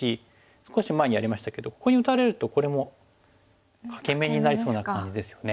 少し前にやりましたけどここに打たれるとこれも欠け眼になりそうな感じですよね。